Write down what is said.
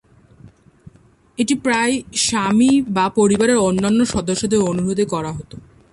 এটি প্রায়ই স্বামী বা পরিবারের অন্যান্য সদস্যদের অনুরোধে করা হত।